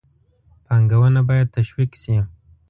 پانګونه باید تشویق شي.